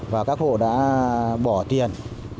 và các hộ đã bỏ tiền